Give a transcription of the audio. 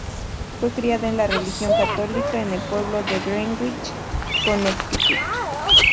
Fue criada en la religión católica en el pueblo de Greenwich, Connecticut.